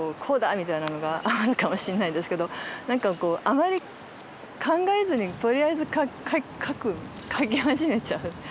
みたいなのがあるかもしんないですけど何かこうあまり考えずにとりあえず描く描き始めちゃう。